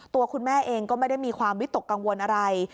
ตัวคุณแม่เองก็ไม่ได้มีความวิตกกังวลอะไร